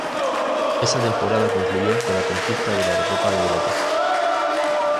Esa temporada concluyó con la conquista de la Recopa de Europa.